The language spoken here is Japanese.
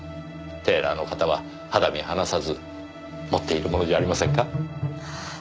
テーラーの方は肌身離さず持っているものじゃありませんか？